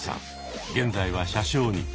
現在は車掌に。